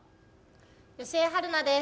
吉江晴菜です。